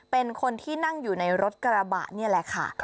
เป็นคนที่นั่งอยู่ในรถกระบะนี่แหละค่ะ